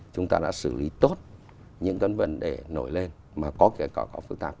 chúng ta đã xử lý tốt những cái vấn đề nổi lên mà có cái cộng đồng hợp tác